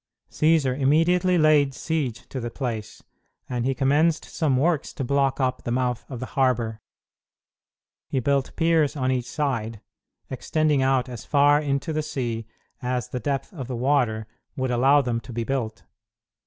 Cćsar immediately laid siege to the place, and he commenced some works to block up the mouth of the harbor. He built piers on each side, extending out as far into the sea as the depth of the water would allow them to be built.